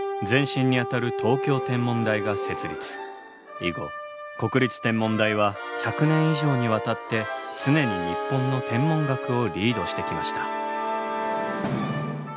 以後国立天文台は１００年以上にわたって常に日本の天文学をリードしてきました。